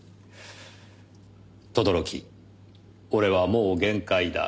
「轟俺はもう限界だ」